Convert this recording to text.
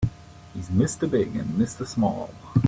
He's Mr. Big and Mr. Small.